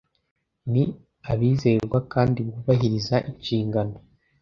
ni abizerwa kandi bubahiriza inshingano